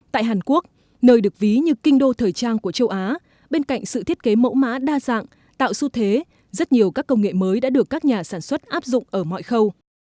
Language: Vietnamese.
tại hàn quốc nơi được ví như kinh đô thời trang của châu á bên cạnh sự thiết kế mẫu mã đa dạng tạo xu thế rất nhiều các công nghệ mới đã được các nhà sản xuất áp dụng ở mọi khâu